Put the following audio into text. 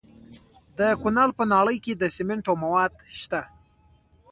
د کونړ په ناړۍ کې د سمنټو مواد شته.